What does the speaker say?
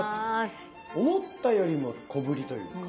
思ったよりも小ぶりというか